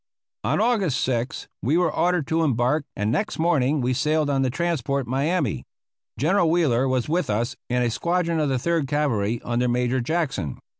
On August 6th we were ordered to embark, and next morning we sailed on the transport Miami. General Wheeler was with us and a squadron of the Third Cavalry under Major Jackson.